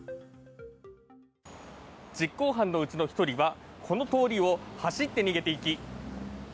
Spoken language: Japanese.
実行犯のうちの１人はこの通りを走って逃げていき。